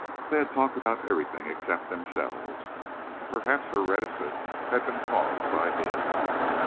They had talked about everything except themselves. Perhaps her reticence had been caused by his.